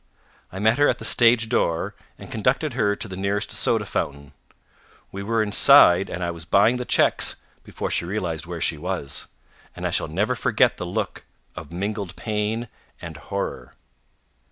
I met her at the stage door, and conducted her to the nearest soda fountain. We were inside and I was buying the checks before she realized where she was, and I shall never forget her look of mingled pain and horror.